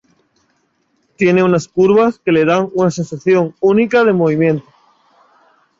Tiene unas curvas que le dan una sensación única de movimiento.